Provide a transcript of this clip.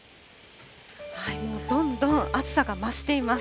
もうどんどん暑さが増しています。